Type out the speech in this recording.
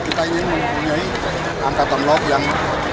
kita ingin mempunyai angkatan laut yang